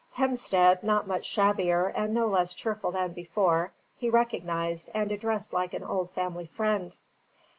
Hemstead, not much shabbier and no less cheerful than before, he recognised and addressed like an old family friend.